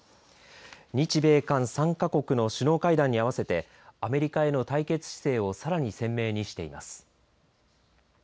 日米韓３か国の首脳会談に合わせてアメリカへの対決姿勢をさらに鮮明にしています。